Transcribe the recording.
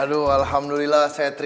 aduh alhamdulillah saya terima kasih ya